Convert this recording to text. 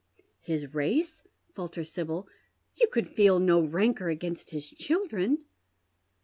" His race ?" falters Sibyl. " You could feel no rancour against his children."